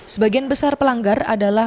sebagian besar pelanggar adalah